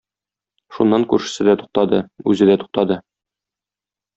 Шуннан күршесе дә туктады, үзе дә туктады.